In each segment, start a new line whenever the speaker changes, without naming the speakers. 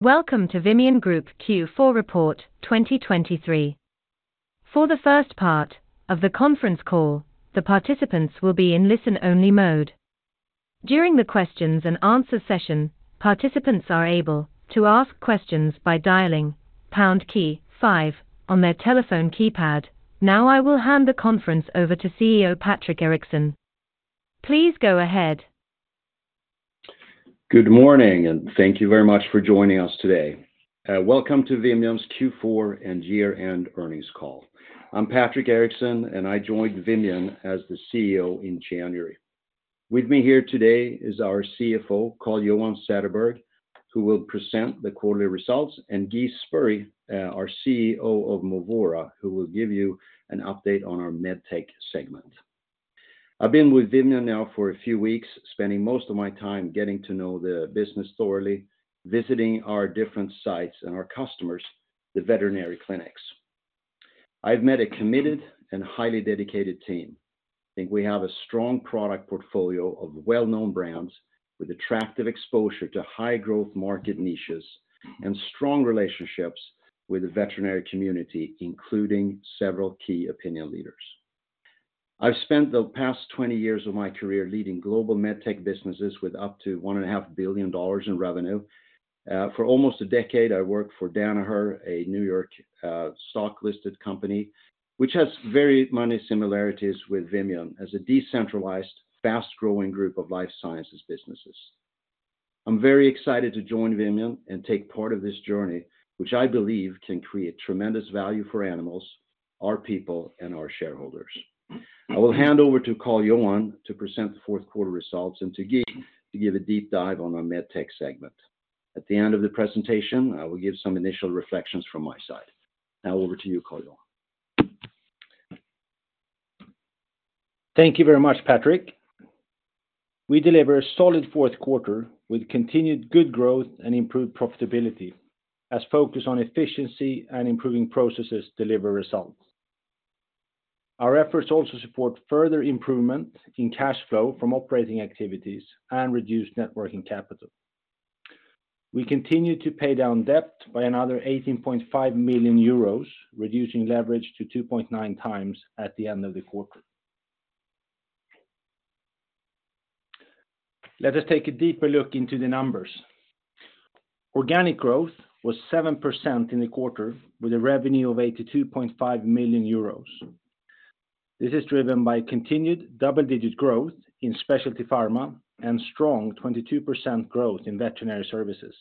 Welcome to Vimian Group Q4 report 2023. For the first part of the conference call, the participants will be in listen-only mode. During the questions-and-answers session, participants are able to ask questions by dialing pound key five on their telephone keypad. Now I will hand the conference over to CEO Patrik Eriksson. Please go ahead.
Good morning, and thank you very much for joining us today. Welcome to Vimian's Q4 and year-end earnings call. I'm Patrik Eriksson, and I joined Vimian as the CEO in January. With me here today is our CFO, Carl-Johan Zetterberg, who will present the quarterly results, and Guy Spörri, our CEO of Movora, who will give you an update on our MedTech segment. I've been with Vimian now for a few weeks, spending most of my time getting to know the business thoroughly, visiting our different sites and our customers, the veterinary clinics. I've met a committed and highly dedicated team. I think we have a strong product portfolio of well-known brands with attractive exposure to high-growth market niches and strong relationships with the veterinary community, including several key opinion leaders. I've spent the past 20 years of my career leading global MedTech businesses with up to $1.5 billion in revenue. For almost a decade, I worked for Danaher, a New York stock-listed company, which has very many similarities with Vimian as a decentralized, fast-growing group of life sciences businesses. I'm very excited to join Vimian and take part of this journey, which I believe can create tremendous value for animals, our people, and our shareholders. I will hand over to Carl-Johan to present the fourth quarter results and to Guy to give a deep dive on our MedTech segment. At the end of the presentation, I will give some initial reflections from my side. Now over to you, Carl-Johan.
Thank you very much, Patrik. We deliver a solid fourth quarter with continued good growth and improved profitability as focus on efficiency and improving processes deliver results. Our efforts also support further improvement in cash flow from operating activities and reduced net working capital. We continue to pay down debt by another 18.5 million euros, reducing leverage to 2.9x at the end of the quarter. Let us take a deeper look into the numbers. Organic growth was 7% in the quarter with a revenue of 82.5 million euros. This is driven by continued double-digit growth in Specialty Pharma and strong 22% growth in Veterinary Services.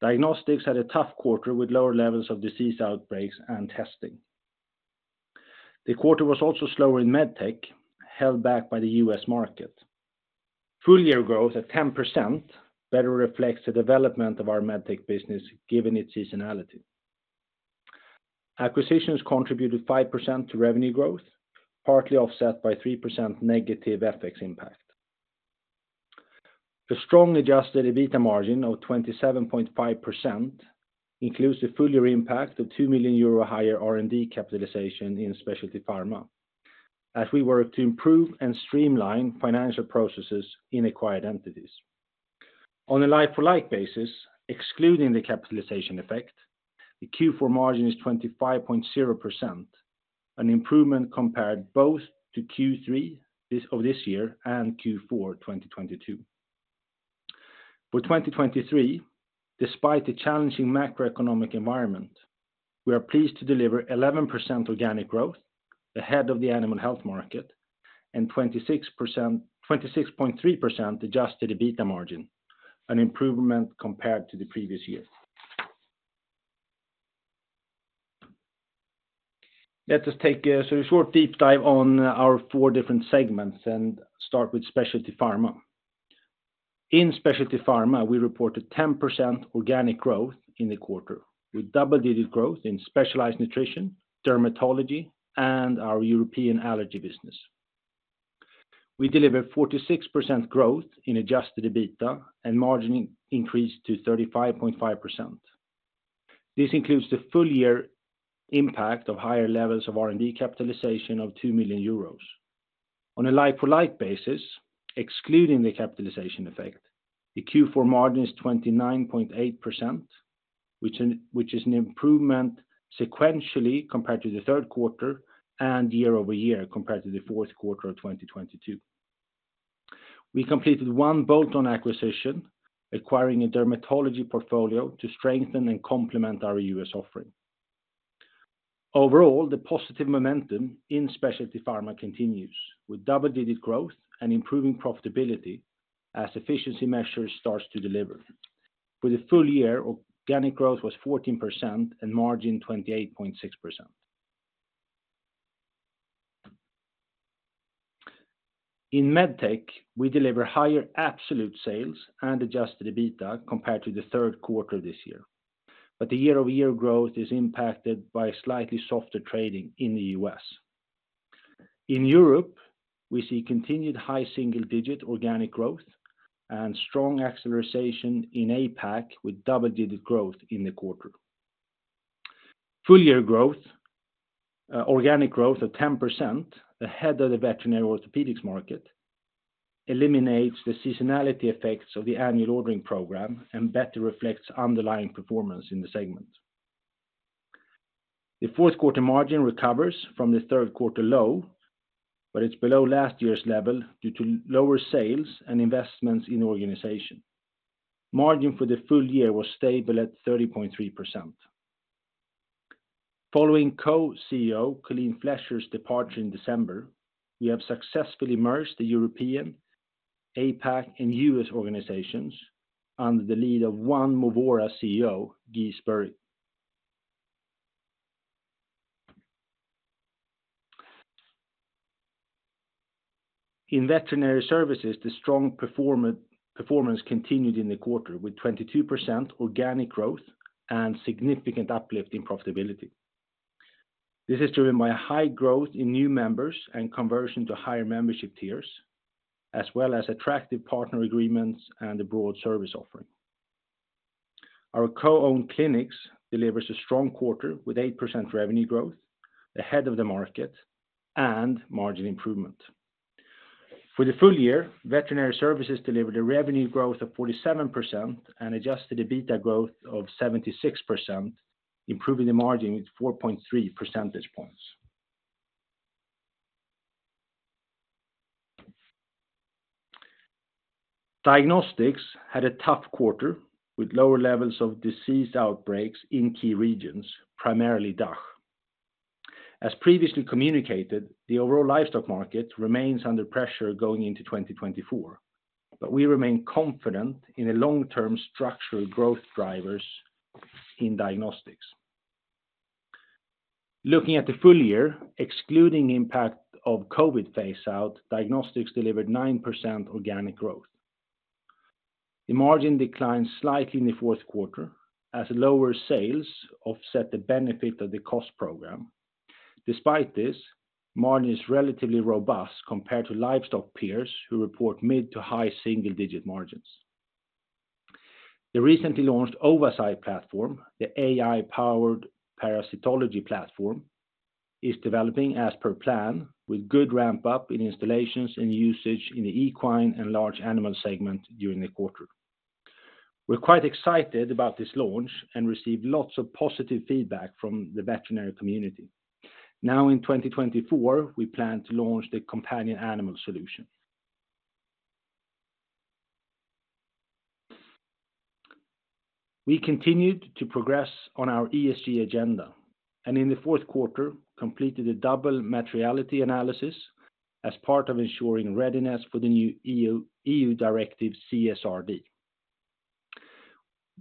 Diagnostics had a tough quarter with lower levels of disease outbreaks and testing. The quarter was also slower in MedTech, held back by the U.S. market. Full-year growth at 10% better reflects the development of our MedTech business given its seasonality. Acquisitions contributed 5% to revenue growth, partly offset by 3% negative FX impact. A strongly Adjusted EBITDA margin of 27.5% includes the full-year impact of 2 million euro higher R&D capitalization in Specialty Pharma as we work to improve and streamline financial processes in acquired entities. On a like-for-like basis, excluding the capitalization effect, the Q4 margin is 25.0%, an improvement compared both to Q3 of this year and Q4 2022. For 2023, despite the challenging macroeconomic environment, we are pleased to deliver 11% organic growth ahead of the animal health market and 26.3% Adjusted EBITDA margin, an improvement compared to the previous year. Let us take a short deep dive on our four different segments and start with Specialty Pharma. In Specialty Pharma, we reported 10% organic growth in the quarter with double-digit growth in specialized nutrition, dermatology, and our European allergy business. We delivered 46% growth in Adjusted EBITDA and margin increased to 35.5%. This includes the full-year impact of higher levels of R&D capitalization of 2 million euros. On a like-for-like basis, excluding the capitalization effect, the Q4 margin is 29.8%, which is an improvement sequentially compared to the third quarter and year-over-year compared to the fourth quarter of 2022. We completed one Bolton acquisition, acquiring a dermatology portfolio to strengthen and complement our U.S. offering. Overall, the positive momentum in Specialty Pharma continues with double-digit growth and improving profitability as efficiency measures start to deliver. With the full-year, organic growth was 14% and margin 28.6%. In MedTech, we deliver higher absolute sales and Adjusted EBITDA compared to the third quarter of this year, but the year-over-year growth is impacted by slightly softer trading in the U.S. In Europe, we see continued high single-digit organic growth and strong acceleration in APAC with double-digit growth in the quarter. Full-year organic growth of 10% ahead of the veterinary orthopedics market eliminates the seasonality effects of the annual ordering program and better reflects underlying performance in the segment. The fourth quarter margin recovers from the third quarter low, but it's below last year's level due to lower sales and investments in organization. Margin for the full year was stable at 30.3%. Following Co-CEO Colleen Flesher's departure in December, we have successfully merged the European, APAC, and U.S. organizations under the lead of one Movora CEO, Guy Spörri. In Veterinary Services, the strong performance continued in the quarter with 22% organic growth and significant uplift in profitability. This is driven by high growth in new members and conversion to higher membership tiers, as well as attractive partner agreements and a broad service offering. Our co-owned clinics deliver a strong quarter with 8% revenue growth ahead of the market and margin improvement. For the full year, Veterinary Services delivered a revenue growth of 47% and Adjusted EBITDA growth of 76%, improving the margin with 4.3 percentage points. Diagnostics had a tough quarter with lower levels of disease outbreaks in key regions, primarily DACH. As previously communicated, the overall livestock market remains under pressure going into 2024, but we remain confident in the long-term structural growth drivers in diagnostics. Looking at the full year, excluding the impact of COVID phaseout, diagnostics delivered 9% organic growth. The margin declined slightly in the fourth quarter as lower sales offset the benefit of the cost program. Despite this, margin is relatively robust compared to livestock peers who report mid- to high-single-digit margins. The recently launched Oversight platform, the AI-powered parasitology platform, is developing as per plan with good ramp-up in installations and usage in the equine and large animal segment during the quarter. We're quite excited about this launch and received lots of positive feedback from the veterinary community. Now in 2024, we plan to launch the companion animal solution. We continued to progress on our ESG agenda and in the fourth quarter completed a double materiality analysis as part of ensuring readiness for the new EU directive CSRD.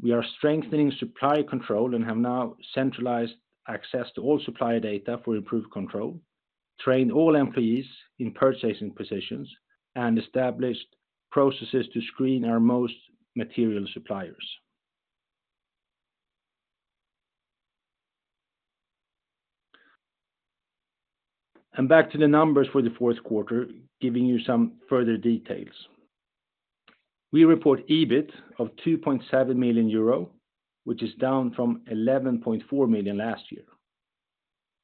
We are strengthening supplier control and have now centralized access to all supplier data for improved control, trained all employees in purchasing positions, and established processes to screen our most material suppliers. Back to the numbers for the fourth quarter, giving you some further details. We report EBIT of 2.7 million euro, which is down from 11.4 million last year.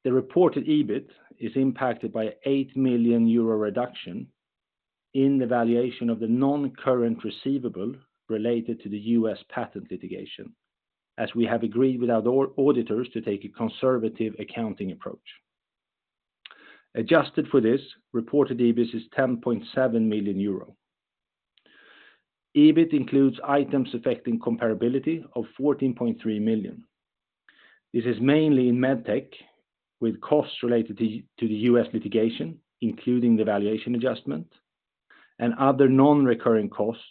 The reported EBIT is impacted by a 8 million euro reduction in the valuation of the non-current receivable related to the U.S. patent litigation, as we have agreed with our auditors to take a conservative accounting approach. Adjusted for this, reported EBIT is 10.7 million euro. EBIT includes items affecting comparability of 14.3 million. This is mainly in MedTech with costs related to the U.S. litigation, including the valuation adjustment, and other non-recurring costs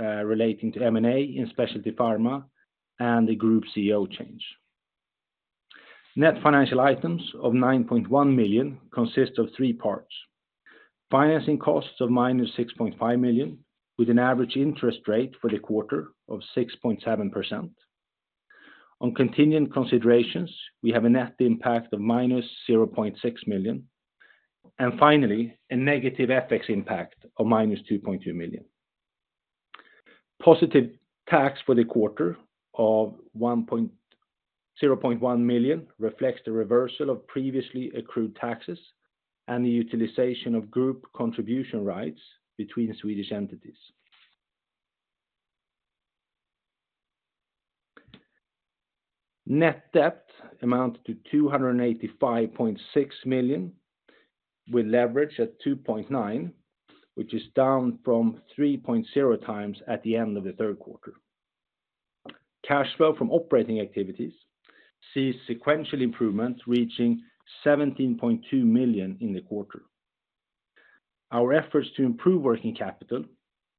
relating to M&A in Specialty Pharma and the Group CEO change. Net financial items of 9.1 million consist of three parts: financing costs of -6.5 million with an average interest rate for the quarter of 6.7%. On continuing considerations, we have a net impact of -0.6 million and finally a negative FX impact of -2.2 million. Positive tax for the quarter of 0.1 million reflects the reversal of previously accrued taxes and the utilization of group contribution rights between Swedish entities. Net debt amounted to 285.6 million with leverage at 2.9x, which is down from 3.0x at the end of the third quarter. Cash flow from operating activities sees sequential improvement reaching 17.2 million in the quarter. Our efforts to improve working capital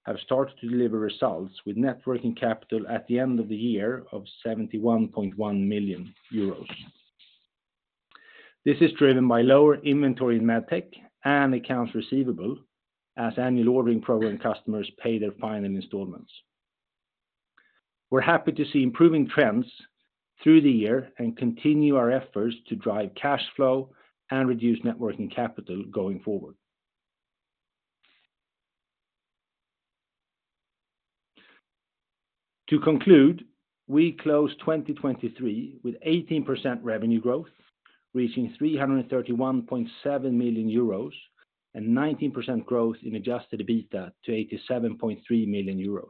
have started to deliver results with net working capital at the end of the year of 71.1 million euros. This is driven by lower inventory in MedTech and accounts receivable as annual ordering program customers pay their final installments. We're happy to see improving trends through the year and continue our efforts to drive cash flow and reduce net working capital going forward. To conclude, we closed 2023 with 18% revenue growth reaching 331.7 million euros and 19% growth in Adjusted EBITDA to 87.3 million euros.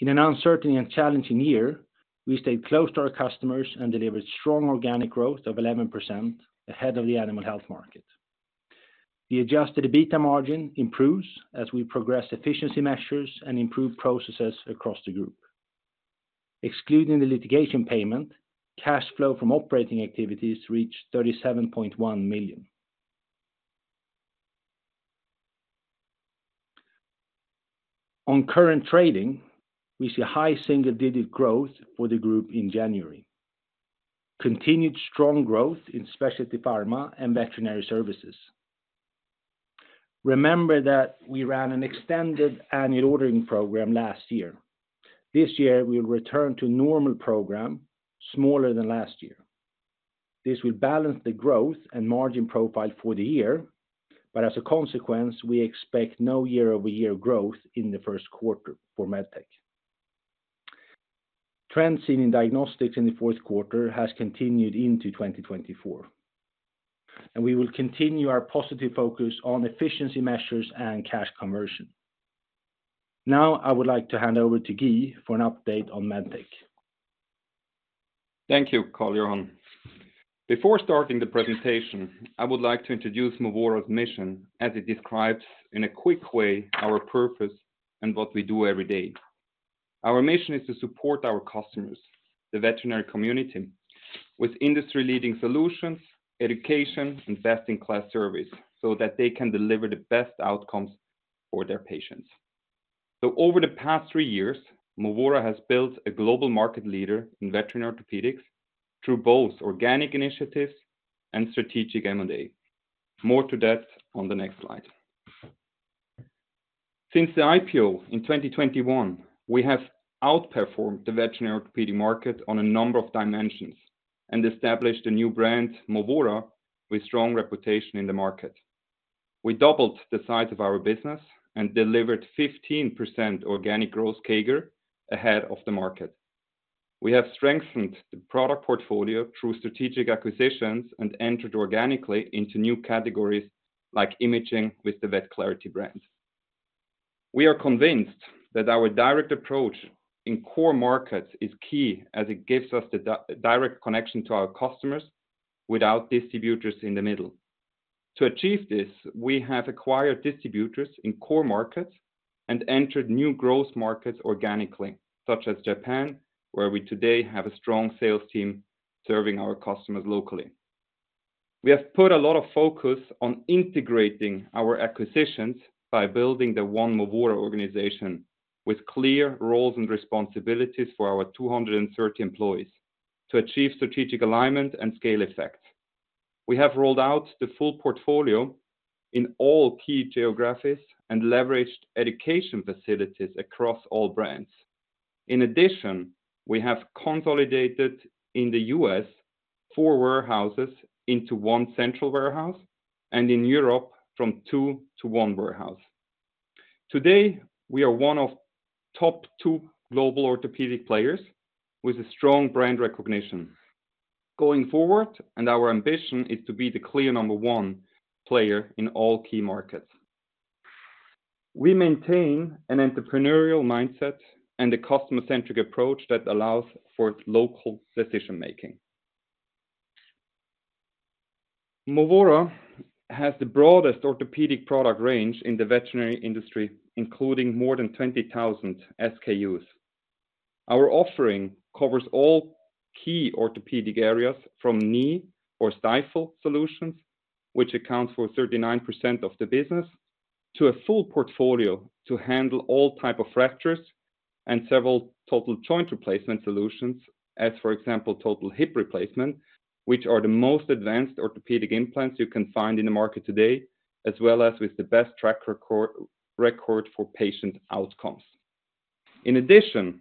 In an uncertain and challenging year, we stayed close to our customers and delivered strong organic growth of 11% ahead of the animal health market. The Adjusted EBITDA margin improves as we progress efficiency measures and improve processes across the group. Excluding the litigation payment, cash flow from operating activities reached 37.1 million. On current trading, we see high single-digit growth for the group in January. Continued strong growth in Specialty Pharma and Veterinary Services. Remember that we ran an extended annual ordering program last year. This year, we will return to normal program, smaller than last year. This will balance the growth and margin profile for the year, but as a consequence, we expect no year-over-year growth in the first quarter for MedTech. Trends seen in diagnostics in the fourth quarter have continued into 2024, and we will continue our positive focus on efficiency measures and cash conversion. Now I would like to hand over to Guy for an update on MedTech.
Thank you, Carl-Johan. Before starting the presentation, I would like to introduce Movora's mission as it describes in a quick way our purpose and what we do every day. Our mission is to support our customers, the veterinary community, with industry-leading solutions, education, and best-in-class service so that they can deliver the best outcomes for their patients. So over the past three years, Movora has built a global market leader in veterinary orthopedics through both organic initiatives and strategic M&A. More to that on the next slide. Since the IPO in 2021, we have outperformed the veterinary orthopedic market on a number of dimensions and established a new brand, Movora, with a strong reputation in the market. We doubled the size of our business and delivered 15% organic growth CAGR ahead of the market. We have strengthened the product portfolio through strategic acquisitions and entered organically into new categories like imaging with the VetClarity brand. We are convinced that our direct approach in core markets is key as it gives us the direct connection to our customers without distributors in the middle. To achieve this, we have acquired distributors in core markets and entered new core markets organically, such as Japan, where we today have a strong sales team serving our customers locally. We have put a lot of focus on integrating our acquisitions by building the One Movora organization with clear roles and responsibilities for our 230 employees to achieve strategic alignment and scale effects. We have rolled out the full portfolio in all key geographies and leveraged education facilities across all brands. In addition, we have consolidated in the U.S. four warehouses into one central warehouse and in Europe from two to one warehouse. Today, we are one of the top 2 global orthopedic players with strong brand recognition. Going forward, our ambition is to be the clear number one player in all key markets. We maintain an entrepreneurial mindset and a customer-centric approach that allows for local decision-making. Movora has the broadest orthopedic product range in the veterinary industry, including more than 20,000 SKUs. Our offering covers all key orthopedic areas from knee or stifle solutions, which accounts for 39% of the business, to a full portfolio to handle all types of fractures and several total joint replacement solutions, as for example, total hip replacement, which are the most advanced orthopedic implants you can find in the market today, as well as with the best track record for patient outcomes. In addition,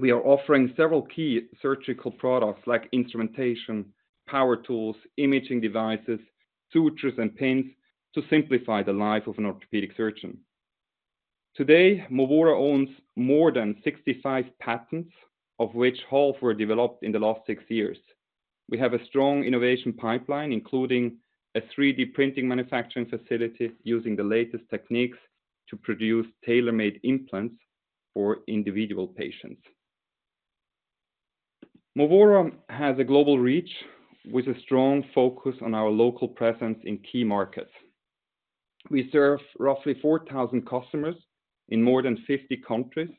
we are offering several key surgical products like instrumentation, power tools, imaging devices, sutures, and pins to simplify the life of an orthopedic surgeon. Today, Movora owns more than 65 patents, of which half were developed in the last six years. We have a strong innovation pipeline, including a 3D printing manufacturing facility using the latest techniques to produce tailor-made implants for individual patients. Movora has a global reach with a strong focus on our local presence in key markets. We serve roughly 4,000 customers in more than 50 countries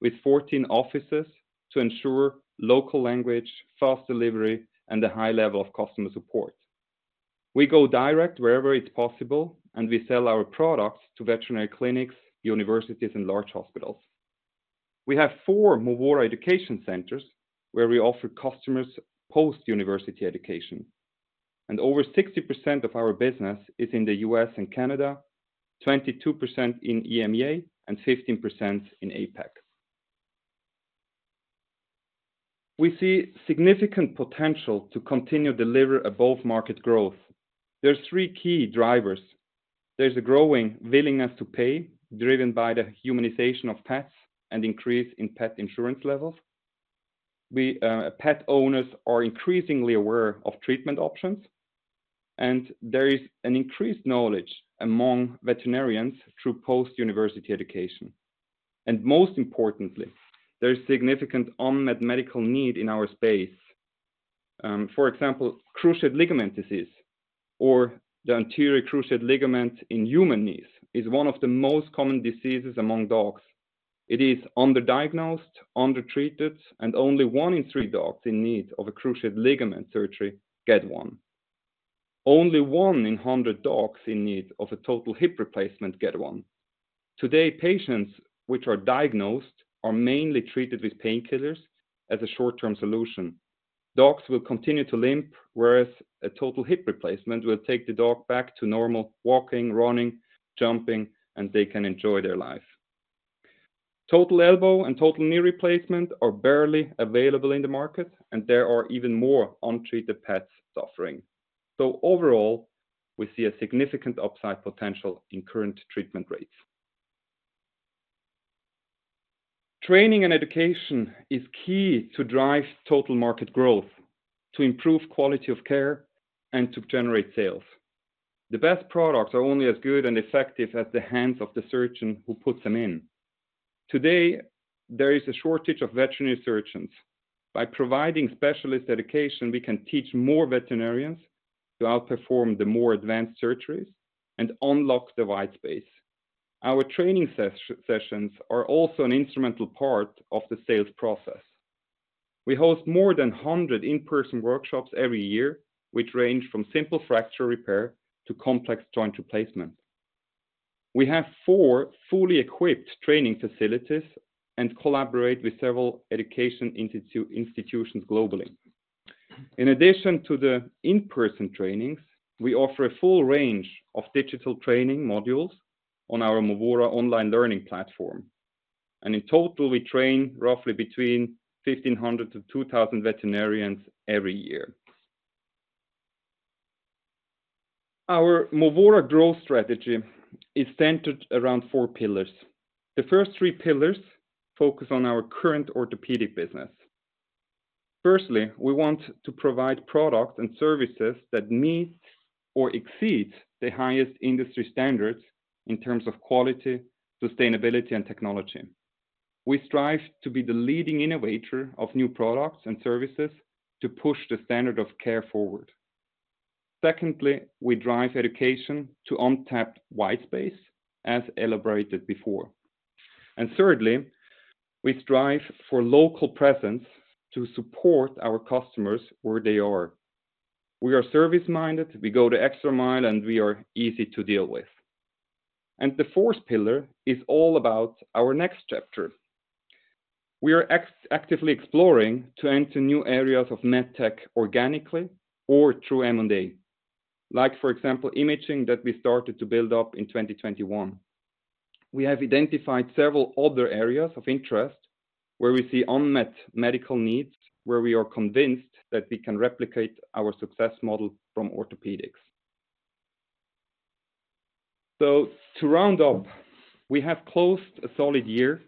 with 14 offices to ensure local language, fast delivery, and a high level of customer support. We go direct wherever it's possible, and we sell our products to veterinary clinics, universities, and large hospitals. We have four Movora education centers where we offer customers post-university education. Over 60% of our business is in the U.S. and Canada, 22% in EMEA, and 15% in APAC. We see significant potential to continue to deliver above-market growth. There are three key drivers. There's a growing willingness to pay, driven by the humanization of pets and increase in pet insurance levels. Pet owners are increasingly aware of treatment options, and there is an increased knowledge among veterinarians through post-university education. And most importantly, there's significant unmet medical need in our space. For example, cruciate ligament disease or the anterior cruciate ligament in human knees is one of the most common diseases among dogs. It is underdiagnosed, undertreated, and only one in three dogs in need of a cruciate ligament surgery gets one. Only one in 100 dogs in need of a total hip replacement gets one. Today, patients which are diagnosed are mainly treated with painkillers as a short-term solution. Dogs will continue to limp, whereas a total hip replacement will take the dog back to normal walking, running, jumping, and they can enjoy their life. Total elbow and total knee replacement are barely available in the market, and there are even more untreated pets suffering. Overall, we see a significant upside potential in current treatment rates. Training and education is key to drive total market growth, to improve quality of care, and to generate sales. The best products are only as good and effective as the hands of the surgeon who puts them in. Today, there is a shortage of veterinary surgeons. By providing specialist education, we can teach more veterinarians to outperform the more advanced surgeries and unlock the white space. Our training sessions are also an instrumental part of the sales process. We host more than 100 in-person workshops every year, which range from simple fracture repair to complex joint replacement. We have four fully equipped training facilities and collaborate with several education institutions globally. In addition to the in-person trainings, we offer a full range of digital training modules on our Movora online learning platform. In total, we train roughly between 1,500-2,000 veterinarians every year. Our Movora growth strategy is centered around four pillars. The first three pillars focus on our current orthopedic business. Firstly, we want to provide products and services that meet or exceed the highest industry standards in terms of quality, sustainability, and technology. We strive to be the leading innovator of new products and services to push the standard of care forward. Secondly, we drive education to untapped white space, as elaborated before. Thirdly, we strive for local presence to support our customers where they are. We are service-minded. We go the extra mile, and we are easy to deal with. The fourth pillar is all about our next chapter. We are actively exploring to enter new areas of MedTech organically or through M&A, like, for example, imaging that we started to build up in 2021. We have identified several other areas of interest where we see unmet medical needs, where we are convinced that we can replicate our success model from orthopedics. To round up, we have closed a solid year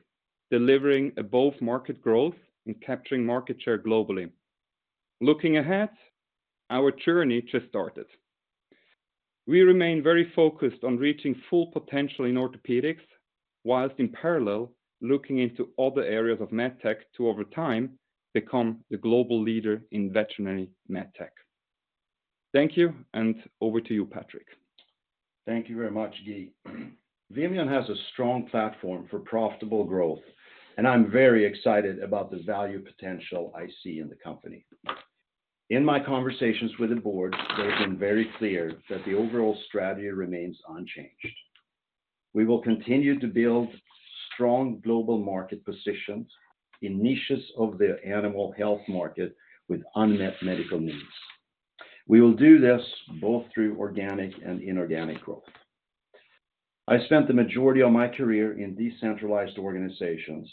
delivering above-market growth and capturing market share globally. Looking ahead, our journey just started. We remain very focused on reaching full potential in orthopedics, while in parallel, looking into other areas of MedTech to, over time, become the global leader in veterinary MedTech. Thank you, and over to you, Patrik.
Thank you very much, Guy. Vimian has a strong platform for profitable growth, and I'm very excited about the value potential I see in the company. In my conversations with the board, they've been very clear that the overall strategy remains unchanged. We will continue to build strong global market positions in niches of the animal health market with unmet medical needs. We will do this both through organic and inorganic growth. I spent the majority of my career in decentralized organizations,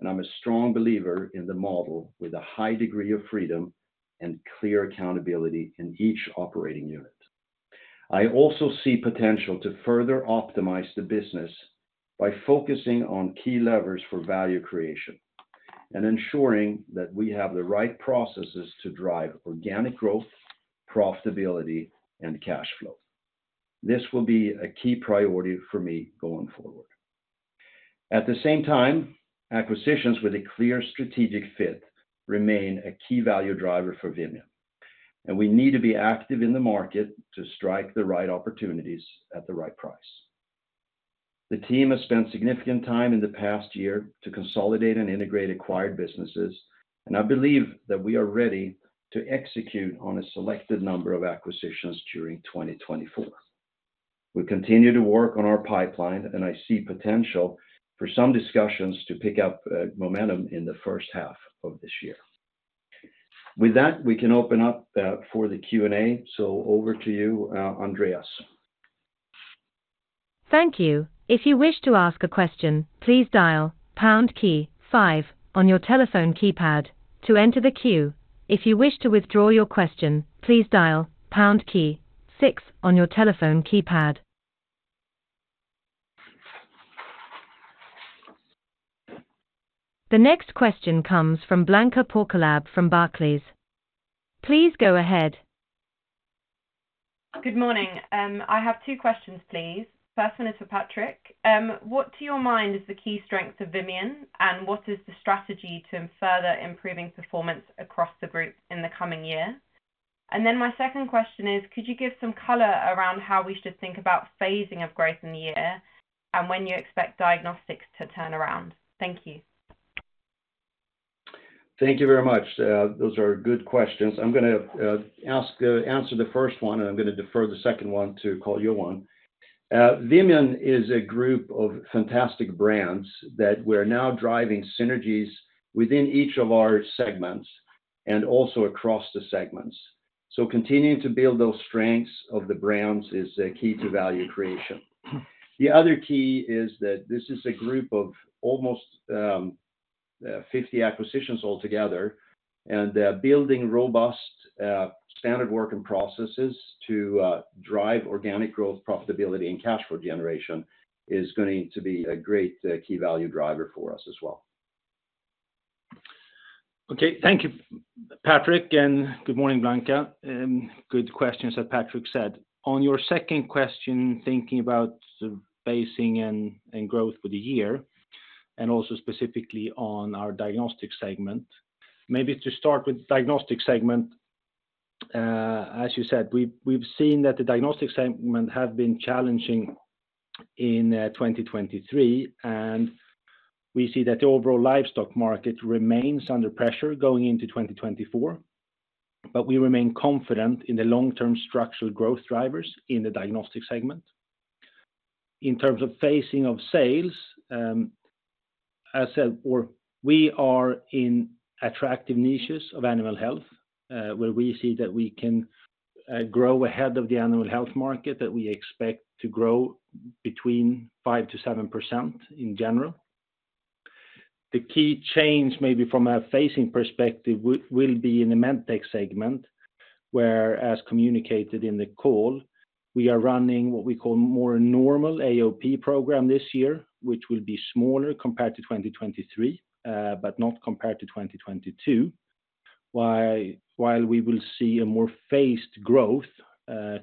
and I'm a strong believer in the model with a high degree of freedom and clear accountability in each operating unit. I also see potential to further optimize the business by focusing on key levers for value creation and ensuring that we have the right processes to drive organic growth, profitability, and cash flow. This will be a key priority for me going forward. At the same time, acquisitions with a clear strategic fit remain a key value driver for Vimian, and we need to be active in the market to strike the right opportunities at the right price. The team has spent significant time in the past year to consolidate and integrate acquired businesses, and I believe that we are ready to execute on a selected number of acquisitions during 2024. We continue to work on our pipeline, and I see potential for some discussions to pick up momentum in the first half of this year. With that, we can open up for the Q&A. So over to you, Andreas.
Thank you. If you wish to ask a question, please dial pound key five on your telephone keypad to enter the queue. If you wish to withdraw your question, please dial pound key six on your telephone keypad. The next question comes from Blanka Porkolab from Barclays. Please go ahead.
Good morning. I have two questions, please. First one is for Patrik. What, to your mind, is the key strength of Vimian, and what is the strategy to further improving performance across the group in the coming year? And then my second question is, could you give some color around how we should think about phasing of growth in the year and when you expect diagnostics to turn around? Thank you.
Thank you very much. Those are good questions. I'm going to answer the first one, and I'm going to defer the second one to Carl-Johan. Vimian is a group of fantastic brands that we're now driving synergies within each of our segments and also across the segments. So continuing to build those strengths of the brands is key to value creation. The other key is that this is a group of almost 50 acquisitions altogether, and building robust standard work and processes to drive organic growth, profitability, and cash flow generation is going to be a great key value driver for us as well.
Okay. Thank you, Patrik, and good morning, Blanka. Good questions, as Patrik said. On your second question, thinking about the phasing and growth for the year and also specifically on our Diagnostics segment, maybe to start with the Diagnostics segment, as you said, we've seen that the Diagnostics segment has been challenging in 2023, and we see that the overall livestock market remains under pressure going into 2024. But we remain confident in the long-term structural growth drivers in the Diagnostics segment. In terms of phasing of sales, as said, we are in attractive niches of animal health where we see that we can grow ahead of the animal health market, that we expect to grow between 5%-7% in general. The key change maybe from a phasing perspective will be in the MedTech segment, where, as communicated in the call, we are running what we call more a normal AOP program this year, which will be smaller compared to 2023 but not compared to 2022, while we will see a more phased growth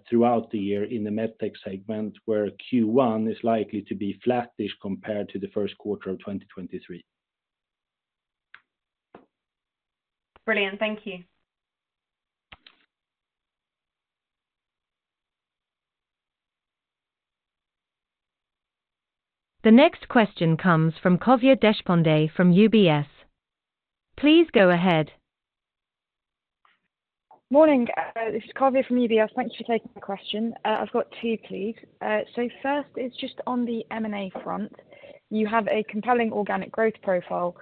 throughout the year in the MedTech segment where Q1 is likely to be flattish compared to the first quarter of 2023.
Brilliant. Thank you.
The next question comes from Kavya Deshpande from UBS. Please go ahead.
Morning. This is Kavya from UBS. Thanks for taking the question. I've got two, please. So first is just on the M&A front. You have a compelling organic growth profile.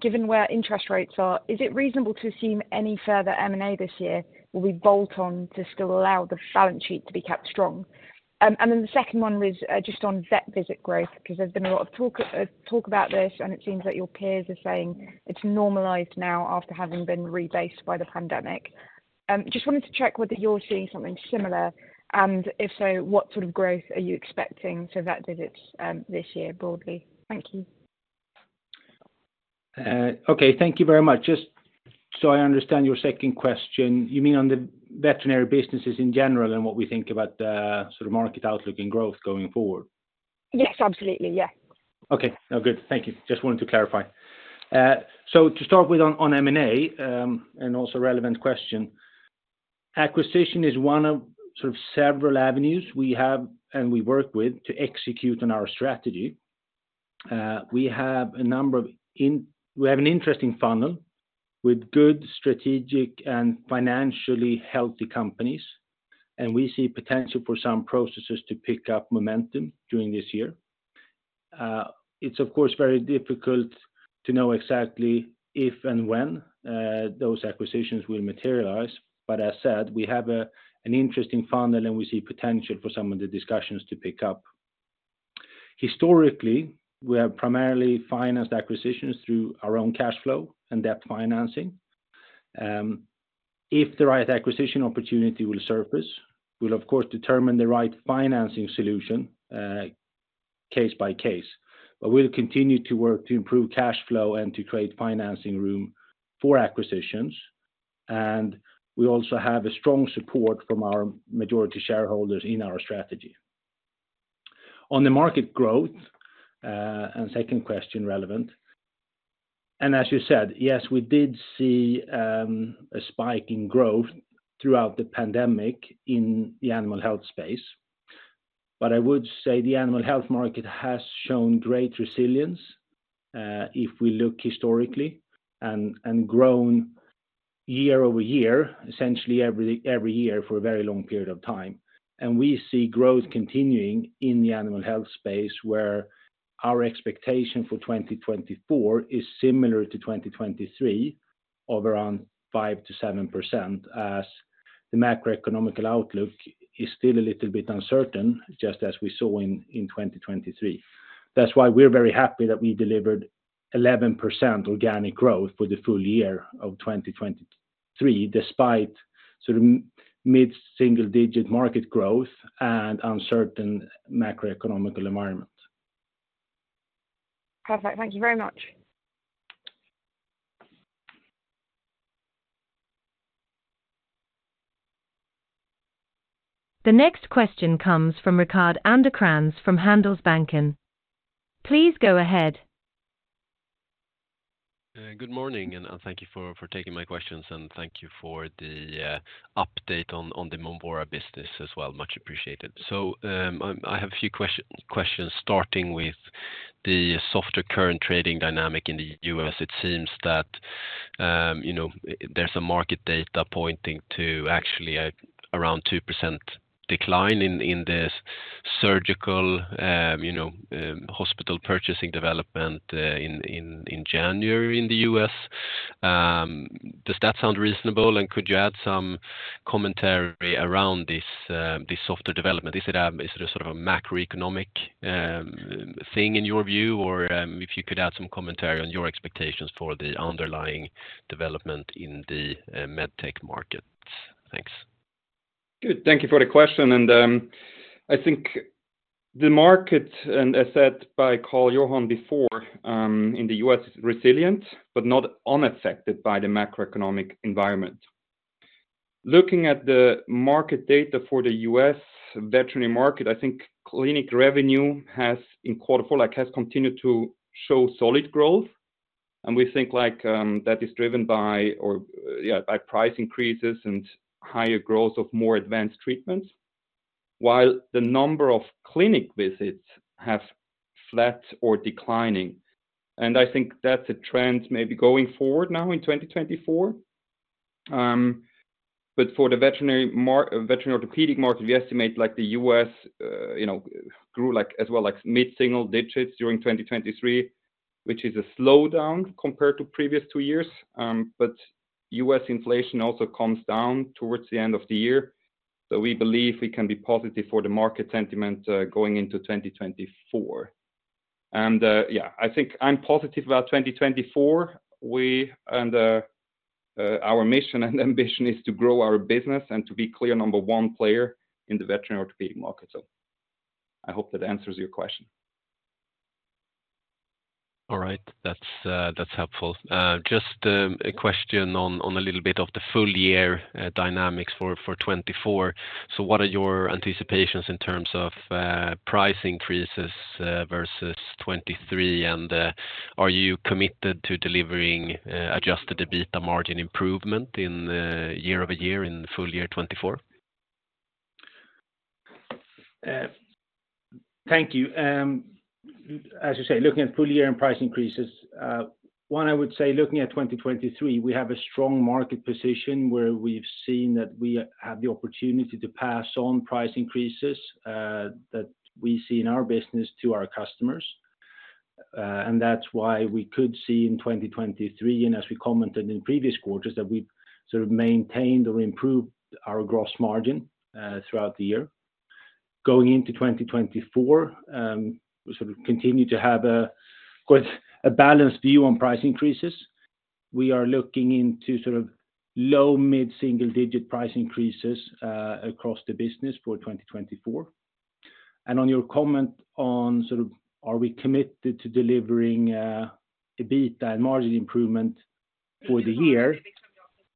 Given where interest rates are, is it reasonable to assume any further M&A this year will be Bolton to still allow the balance sheet to be kept strong? And then the second one was just on vet visit growth because there's been a lot of talk about this, and it seems that your peers are saying it's normalized now after having been rebased by the pandemic. Just wanted to check whether you're seeing something similar, and if so, what sort of growth are you expecting for vet visits this year broadly? Thank you.
Okay. Thank you very much. Just so I understand your second question, you mean on the veterinary businesses in general and what we think about the sort of market outlook and growth going forward?
Yes, absolutely. Yeah.
Okay. No, good. Thank you. Just wanted to clarify. So to start with on M&A and also relevant question, acquisition is one of sort of several avenues we have and we work with to execute on our strategy. We have an interesting funnel with good strategic and financially healthy companies, and we see potential for some processes to pick up momentum during this year. It's, of course, very difficult to know exactly if and when those acquisitions will materialize. But as said, we have an interesting funnel, and we see potential for some of the discussions to pick up. Historically, we have primarily financed acquisitions through our own cash flow and debt financing. If the right acquisition opportunity will surface, we'll, of course, determine the right financing solution case by case. But we'll continue to work to improve cash flow and to create financing room for acquisitions. And we also have a strong support from our majority shareholders in our strategy. On the market growth and second question relevant. And as you said, yes, we did see a spike in growth throughout the pandemic in the animal health space. But I would say the animal health market has shown great resilience if we look historically and grown year-over-year, essentially every year for a very long period of time. And we see growth continuing in the animal health space where our expectation for 2024 is similar to 2023 of around 5%-7%, as the macroeconomic outlook is still a little bit uncertain, just as we saw in 2023. That's why we're very happy that we delivered 11% organic growth for the full-year of 2023, despite sort of mid-single-digit market growth and uncertain macroeconomic environment.
Perfect. Thank you very much.
The next question comes from Rickard Anderkrans from Handelsbanken. Please go ahead.
Good morning, and thank you for taking my questions. And thank you for the update on the Movora business as well. Much appreciated. So I have a few questions, starting with the softer current trading dynamic in the U.S. It seems that there's some market data pointing to actually around 2% decline in the surgical hospital purchasing development in January in the U.S. Does that sound reasonable? And could you add some commentary around this softer development? Is it sort of a macroeconomic thing in your view, or if you could add some commentary on your expectations for the underlying development in the MedTech market? Thanks.
Good. Thank you for the question. And I think the market, and as said by Carl-Johan before, in the U.S. is resilient but not unaffected by the macroeconomic environment. Looking at the market data for the U.S. veterinary market, I think clinic revenue has continued to show solid growth. We think that is driven by price increases and higher growth of more advanced treatments, while the number of clinic visits have flattened or declined. I think that's a trend maybe going forward now in 2024. For the veterinary orthopedic market, we estimate the U.S. grew as well mid-single digits during 2023, which is a slowdown compared to previous two years. U.S. inflation also comes down towards the end of the year. We believe we can be positive for the market sentiment going into 2024. Yeah, I think I'm positive about 2024. Our mission and ambition is to grow our business and to be clear number one player in the veterinary orthopedic market. I hope that answers your question.
All right. That's helpful. Just a question on a little bit of the full-year dynamics for 2024. So what are your anticipations in terms of price increases versus 2023? And are you committed to delivering Adjusted EBITDA margin improvement year-over-year in full year 2024?
Thank you. As you say, looking at full-year and price increases, one, I would say looking at 2023, we have a strong market position where we've seen that we have the opportunity to pass on price increases that we see in our business to our customers. And that's why we could see in 2023, and as we commented in previous quarters, that we've sort of maintained or improved our gross margin throughout the year. Going into 2024, we sort of continue to have a balanced view on price increases. We are looking into sort of low- to mid-single-digit price increases across the business for 2024. On your comment on sort of are we committed to delivering an EBITDA and margin improvement for the year,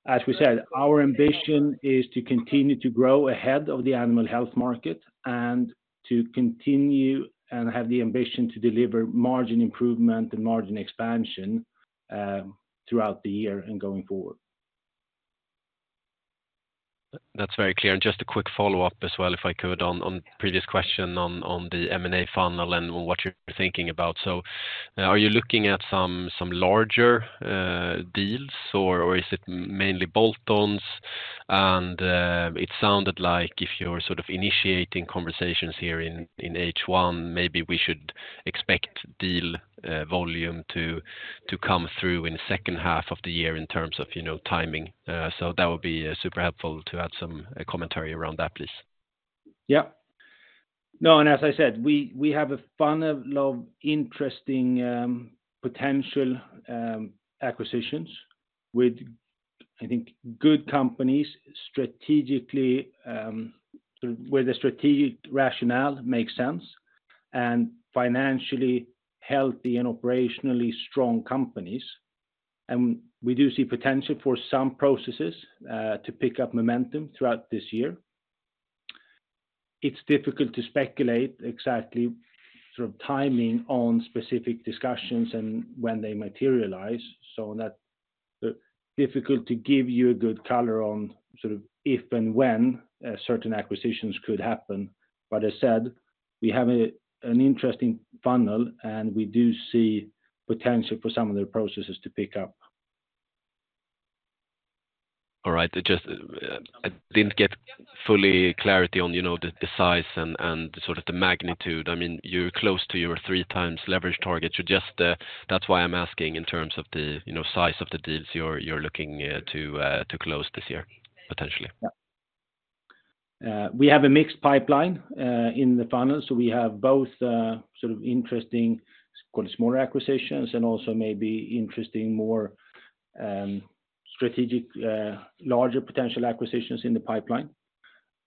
as we said, our ambition is to continue to grow ahead of the animal health market and to continue and have the ambition to deliver margin improvement and margin expansion throughout the year and going forward.
That's very clear. Just a quick follow-up as well, if I could, on previous question on the M&A funnel and what you're thinking about. So are you looking at some larger deals, or is it mainly Boltons? And it sounded like if you're sort of initiating conversations here in H1, maybe we should expect deal volume to come through in the second half of the year in terms of timing. So that would be super helpful to add some commentary around that, please.
Yeah. No, and as I said, we have a funnel of interesting potential acquisitions with, I think, good companies where the strategic rationale makes sense and financially healthy and operationally strong companies. We do see potential for some processes to pick up momentum throughout this year. It's difficult to speculate exactly sort of timing on specific discussions and when they materialize. So difficult to give you a good color on sort of if and when certain acquisitions could happen. But as said, we have an interesting funnel, and we do see potential for some of their processes to pick up.
All right. I didn't get full clarity on the size and sort of the magnitude. I mean, you're close to your 3x leverage target. That's why I'm asking in terms of the size of the deals you're looking to close this year, potentially.
Yeah. We have a mixed pipeline in the funnel. So we have both sort of interesting, call it, smaller acquisitions and also maybe interesting more larger potential acquisitions in the pipeline.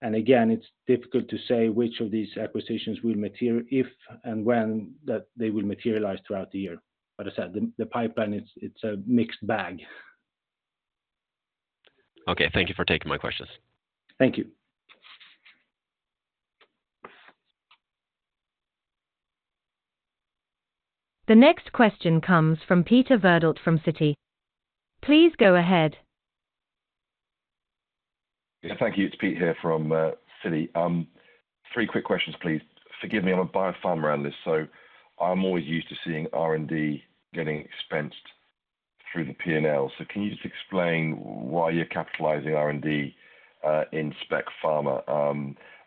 And again, it's difficult to say which of these acquisitions will, if and when, that they will materialize throughout the year. But as said, the pipeline, it's a mixed bag.
Okay. Thank you for taking my questions.
Thank you.
The next question comes from Peter Verdult from Citi. Please go ahead.
Yeah. Thank you. It's Peter Verdult here from Citi. Three quick questions, please. Forgive me. I'm a biopharma analyst, so I'm always used to seeing R&D getting expensed through the P&L. So can you just explain why you're capitalizing R&D in Spec Pharma?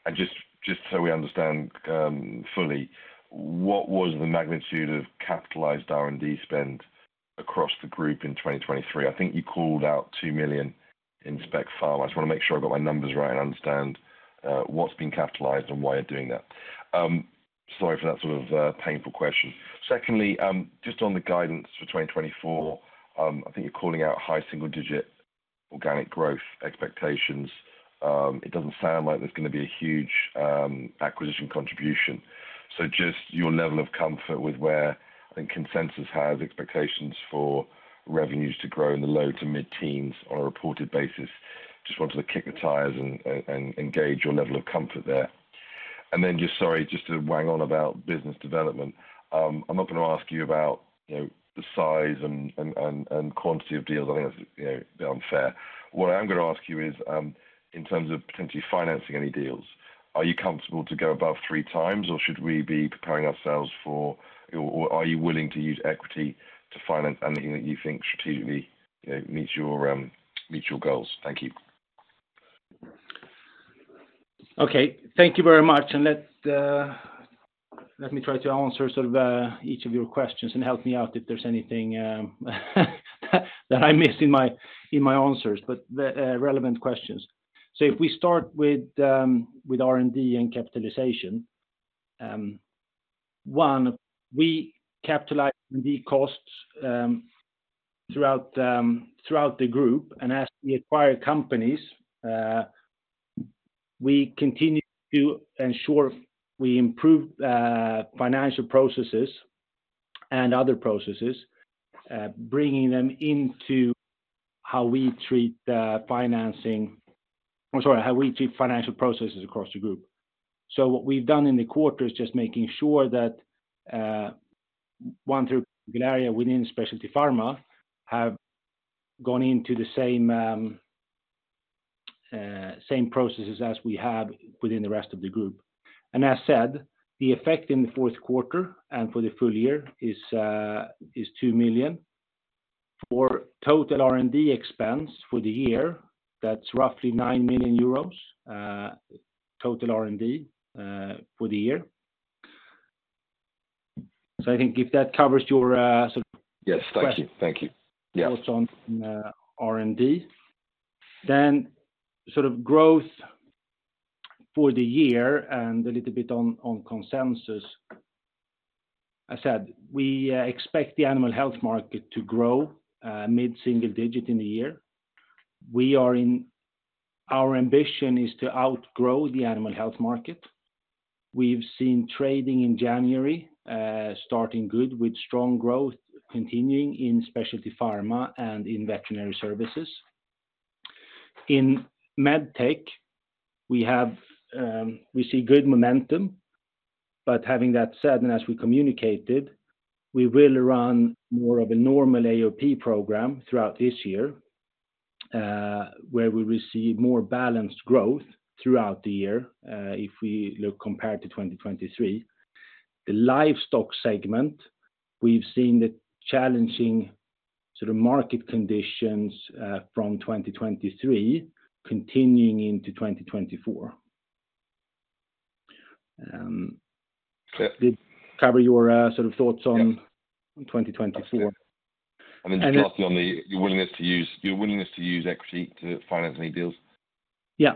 And just so we understand fully, what was the magnitude of capitalized R&D spend across the group in 2023? I think you called out 2 million in Spec Pharma. I just want to make sure I've got my numbers right and understand what's been capitalized and why you're doing that. Sorry for that sort of painful question. Secondly, just on the guidance for 2024, I think you're calling out high single-digit organic growth expectations. It doesn't sound like there's going to be a huge acquisition contribution. So just your level of comfort with where I think Consensus has expectations for revenues to grow in the low to mid-teens on a reported basis. Just wanted to kick the tires and gauge your level of comfort there. Then just sorry, just to bang on about business development, I'm not going to ask you about the size and quantity of deals. I think that's unfair. What I am going to ask you is, in terms of potentially financing any deals, are you comfortable to go above 3x, or should we be preparing ourselves for or are you willing to use equity to finance anything that you think strategically meets your goals? Thank you.
Okay. Thank you very much. Let me try to answer sort of each of your questions and help me out if there's anything that I miss in my answers, but relevant questions. So if we start with R&D and capitalization, one, we capitalize R&D costs throughout the group. And as we acquire companies, we continue to ensure we improve financial processes and other processes, bringing them into how we treat financing or sorry, how we treat financial processes across the group. So what we've done in the quarter is just making sure that one particular area within Specialty Pharma have gone into the same processes as we have within the rest of the group. And as said, the effect in the fourth quarter and for the full-year is 2 million. For total R&D expense for the year, that's roughly 9 million euros, total R&D for the year. I think if that covers your sort of question.
Yes. Thank you. Thank you. Yeah.
Thoughts on R&D. Then sort of growth for the year and a little bit on Consensus. As said, we expect the animal health market to grow mid-single digit in the year. Our ambition is to outgrow the animal health market. We've seen trading in January starting good with strong growth continuing in Specialty Pharma and in Veterinary Services. In MedTech, we see good momentum. But having that said, and as we communicated, we will run more of a normal AOP program throughout this year where we receive more balanced growth throughout the year if we look compared to 2023. The livestock segment, we've seen the challenging sort of market conditions from 2023 continuing into 2024. Did it cover your sort of thoughts on 2024?
I mean, just lastly on your willingness to use equity to finance any deals?
Yeah.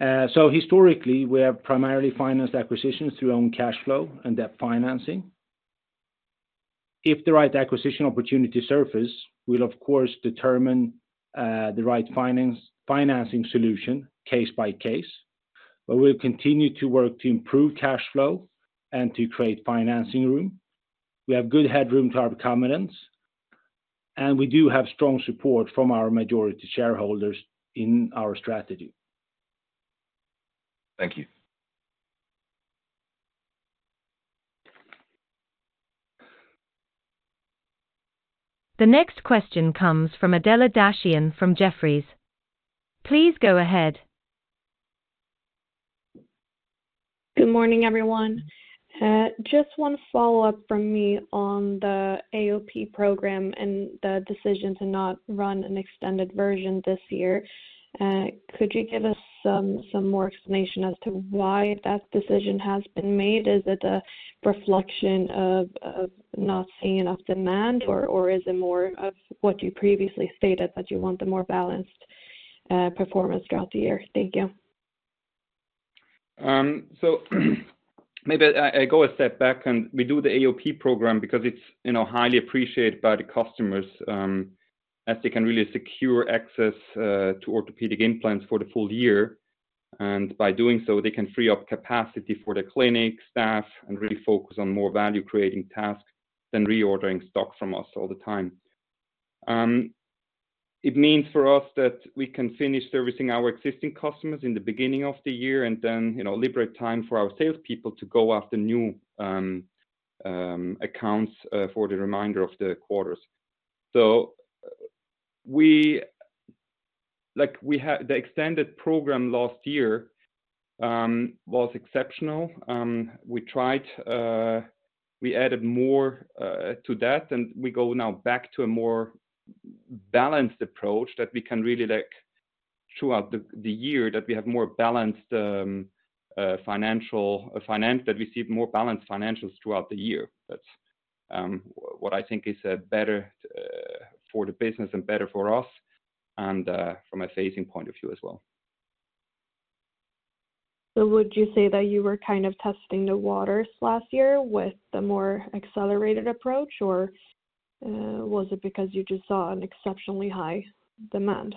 So historically, we have primarily financed acquisitions through own cash flow and debt financing. If the right acquisition opportunity surfaces, we'll, of course, determine the right financing solution case by case. But we'll continue to work to improve cash flow and to create financing room. We have good headroom to our covenants. And we do have strong support from our majority shareholders in our strategy.
Thank you.
The next question comes from Adela Dashian from Jefferies. Please go ahead.
Good morning, everyone. Just one follow-up from me on the AOP program and the decision to not run an extended version this year. Could you give us some more explanation as to why that decision has been made? Is it a reflection of not seeing enough demand, or is it more of what you previously stated, that you want the more balanced performance throughout the year? Thank you.
Maybe I go a step back. We do the AOP program because it's highly appreciated by the customers as they can really secure access to orthopedic implants for the full year. By doing so, they can free up capacity for the clinic, staff, and really focus on more value-creating tasks than reordering stock from us all the time. It means for us that we can finish servicing our existing customers in the beginning of the year and then liberate time for our salespeople to go after new accounts for the remainder of the quarters. The extended program last year was exceptional. We added more to that, and we go now back to a more balanced approach that we can really throughout the year that we have more balanced financial that we see more balanced financials throughout the year. That's what I think is better for the business and better for us from a phasing point of view as well.
Would you say that you were kind of testing the waters last year with the more accelerated approach, or was it because you just saw an exceptionally high demand?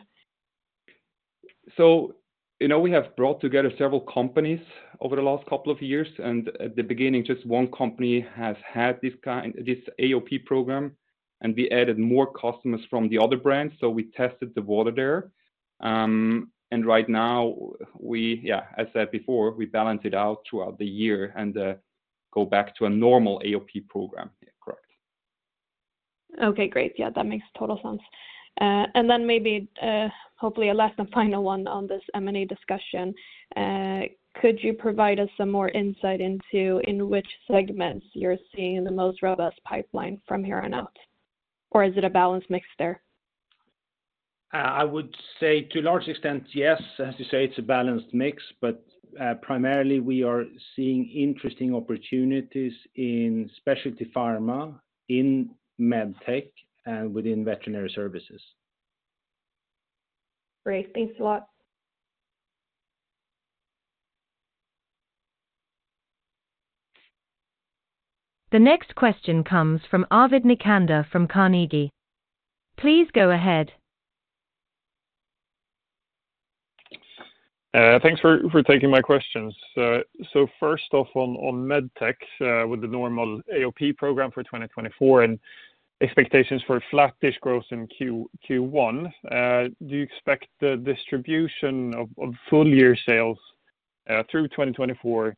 We have brought together several companies over the last couple of years. At the beginning, just one company has had this AOP program, and we added more customers from the other brands. We tested the water there. Right now, yeah, as said before, we balance it out throughout the year and go back to a normal AOP program. Correct.
Okay. Great. Yeah, that makes total sense. And then maybe, hopefully, a last and final one on this M&A discussion. Could you provide us some more insight into in which segments you're seeing the most robust pipeline from here on out, or is it a balanced mix there?
I would say, to a large extent, yes. As you say, it's a balanced mix. But primarily, we are seeing interesting opportunities in Specialty Pharma, in MedTech, and within Veterinary Services.
Great. Thanks a lot.
The next question comes from Arvid Necander from Carnegie. Please go ahead.
Thanks for taking my questions. So first off, on MedTech with the normal AOP program for 2024 and expectations for flat-ish growth in Q1, do you expect the distribution of full-year sales through 2024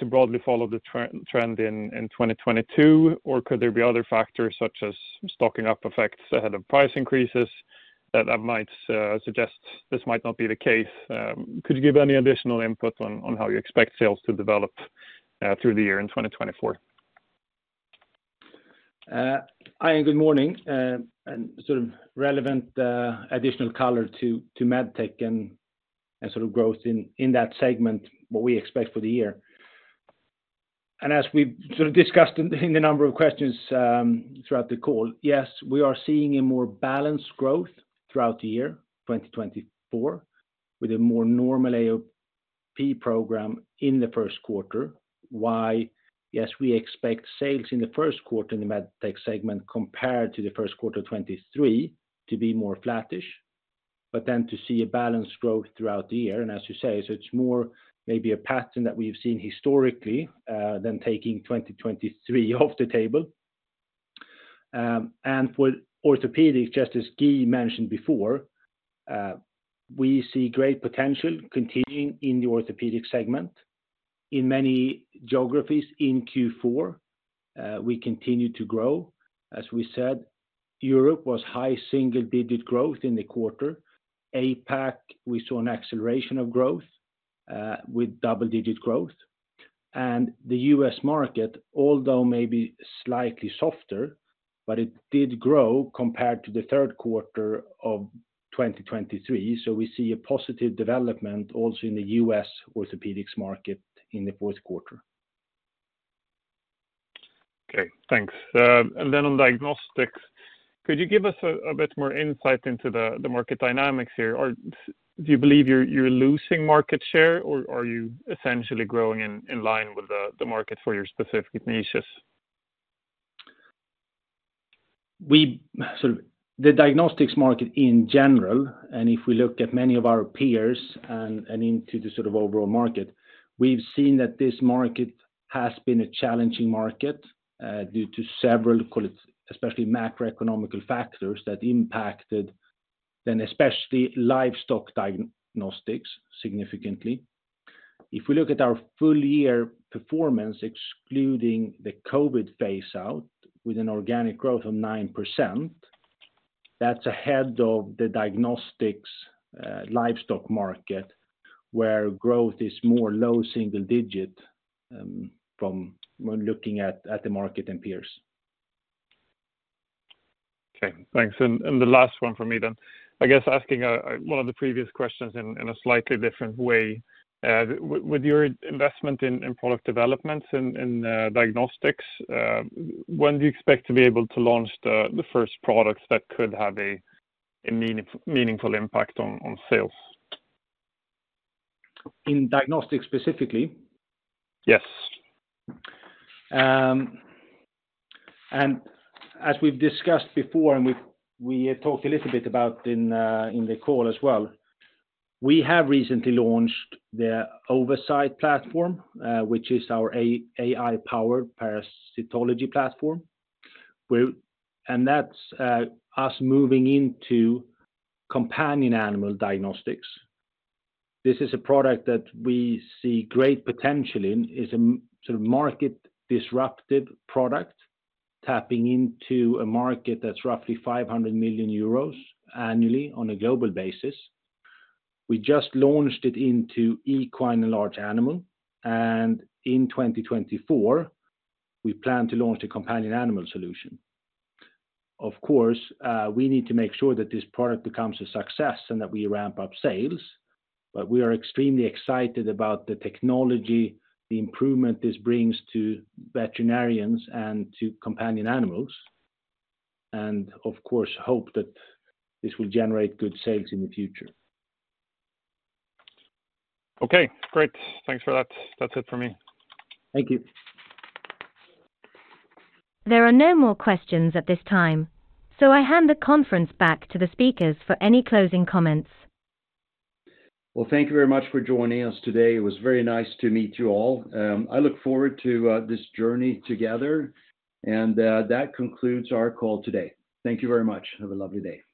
to broadly follow the trend in 2022, or could there be other factors such as stocking-up effects ahead of price increases that might suggest this might not be the case? Could you give any additional input on how you expect sales to develop through the year in 2024?
Hi. And good morning. And sort of relevant additional color to MedTech and sort of growth in that segment, what we expect for the year. And as we've sort of discussed in the number of questions throughout the call, yes, we are seeing a more balanced growth throughout the year, 2024, with a more normal AOP program in the first quarter. Why? Yes, we expect sales in the first quarter in the MedTech segment compared to the first quarter of 2023 to be more flat-ish but then to see a balanced growth throughout the year. And as you say, so it's more maybe a pattern that we've seen historically than taking 2023 off the table. And for orthopedics, just as Guy mentioned before, we see great potential continuing in the orthopedic segment. In many geographies in Q4, we continue to grow. As we said, Europe was high single-digit growth in the quarter. APAC, we saw an acceleration of growth with double-digit growth. The U.S. market, although maybe slightly softer, but it did grow compared to the third quarter of 2023. We see a positive development also in the U.S. orthopedics market in the fourth quarter.
Okay. Thanks. And then on diagnostics, could you give us a bit more insight into the market dynamics here? Do you believe you're losing market share, or are you essentially growing in line with the market for your specific niches?
Sort of the diagnostics market in general, and if we look at many of our peers and into the sort of overall market, we've seen that this market has been a challenging market due to several, call it especially macroeconomic factors that impacted, then especially livestock diagnostics significantly. If we look at our full-year performance excluding the COVID phase-out with an organic growth of 9%, that's ahead of the diagnostics livestock market where growth is more low single-digit when looking at the market and peers.
Okay. Thanks. And the last one from me then, I guess asking one of the previous questions in a slightly different way. With your investment in product developments in diagnostics, when do you expect to be able to launch the first products that could have a meaningful impact on sales?
In Diagnostics specifically?
Yes.
As we've discussed before, and we talked a little bit about in the call as well, we have recently launched the Oversight platform, which is our AI-powered parasitology platform. That's us moving into companion animal diagnostics. This is a product that we see great potential in. It's a sort of market-disruptive product tapping into a market that's roughly 500 million euros annually on a global basis. We just launched it into equine and large animal. In 2024, we plan to launch the companion animal solution. Of course, we need to make sure that this product becomes a success and that we ramp up sales. But we are extremely excited about the technology, the improvement this brings to veterinarians and to companion animals, and of course, hope that this will generate good sales in the future.
Okay. Great. Thanks for that. That's it from me.
Thank you.
There are no more questions at this time, so I hand the conference back to the speakers for any closing comments.
Well, thank you very much for joining us today. It was very nice to meet you all. I look forward to this journey together. That concludes our call today. Thank you very much. Have a lovely day.